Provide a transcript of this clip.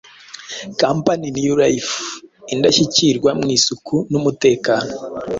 Kampani New Life indashyikirwa mu isuku n’umutekano.